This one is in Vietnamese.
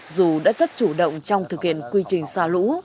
dù đã rất chủ động trong thực hiện quy trình xả lũ